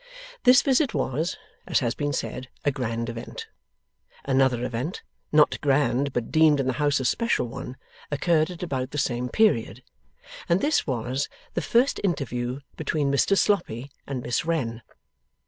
This visit was, as has been said, a grand event. Another event, not grand but deemed in the house a special one, occurred at about the same period; and this was, the first interview between Mr Sloppy and Miss Wren.